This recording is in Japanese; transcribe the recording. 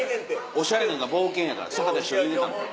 おしゃれなんか冒険やから坂田師匠言うてた。